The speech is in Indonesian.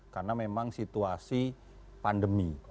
karena memang situasi pandemi